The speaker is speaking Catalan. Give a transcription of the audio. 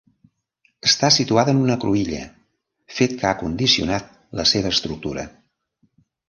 Està situada en una cruïlla, fet que ha condicionat la seva estructura.